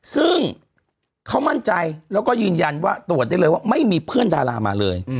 ซึ่งเขามั่นใจแล้วก็ยืนยันว่าตรวจได้เลยว่าไม่มีเพื่อนดารามาเลย